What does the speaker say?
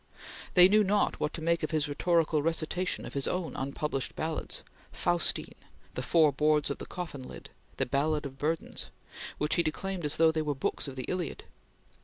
They knew not what to make of his rhetorical recitation of his own unpublished ballads "Faustine"; the "Four Boards of the Coffin Lid"; the "Ballad of Burdens" which he declaimed as though they were books of the Iliad.